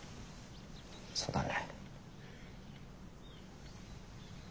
そうだね。